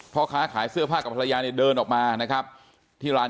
พ่อค้าขายเสื้อผ้ากับภรรยาเนี่ยเดินออกมานะครับที่ร้าน